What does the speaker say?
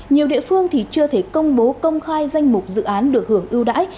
nhiều địa phương thì chưa thể công bố công khai danh mục dự án được hưởng ưu đãi